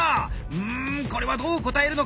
うんこれはどう答えるのか？